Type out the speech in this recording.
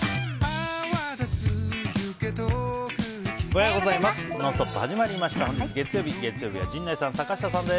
おはようございます。